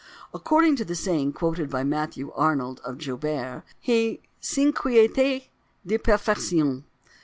According to the saying quoted by Matthew Arnold of Joubert, he "s'inquiétait de perfection."